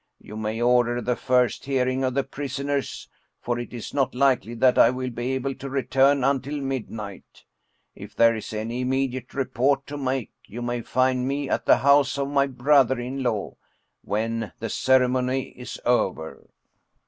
You may order the first hear ing of the prisoners, for it is not likely that I will be able to return until midnight. If there is any immediate report to make, you may find me at the house of my brother in law when the ceremony is over."